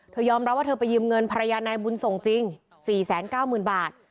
ยอมรับว่าเธอไปยืมเงินภรรยานายบุญส่งจริง๔๙๐๐๐บาท